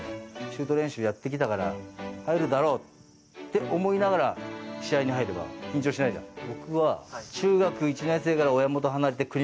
シュート練習をやってきたから入るだろうって思いながら試合に入れば緊張しないじゃない？